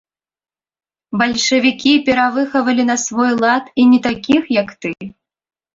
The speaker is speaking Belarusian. Бальшавікі перавыхавалі на свой лад і не такіх, як ты.